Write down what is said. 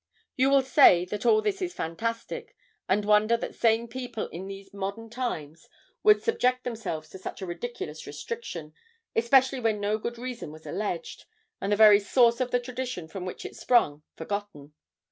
You will say that all this is fantastic, and wonder that sane people in these modern times should subject themselves to such a ridiculous restriction, especially when no good reason was alleged, and the very source of the tradition from which it sprung forgotten.